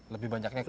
lebih banyaknya ke